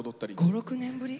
５６年ぶり？